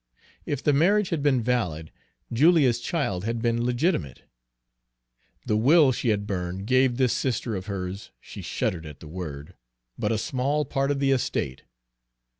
If the marriage had been valid, Julia's child had been legitimate. The will she had burned gave this sister of hers she shuddered at the word but a small part of the estate.